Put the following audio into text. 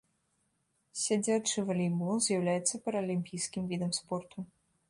Сядзячы валейбол з'яўляецца паралімпійскім відам спорту.